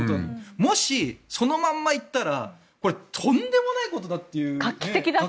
もし、そのまま行ったらとんでもないことだという。